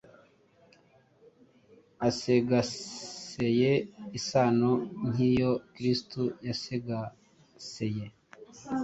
asegagaseye isano nk’iyo Kristo yasegagaseye.